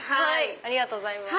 ありがとうございます。